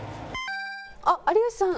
あっ有吉さん。